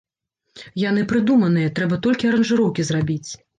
Яны прыдуманыя, трэба толькі аранжыроўкі зрабіць.